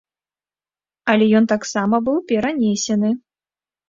Але ён таксама быў перанесены.